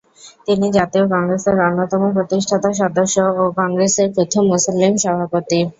তিনি জাতীয় কংগ্রেসের অন্যতম প্রতিষ্ঠাতা সদস্য ও কংগ্রেসের প্রথম মুসলিম সভাপতি।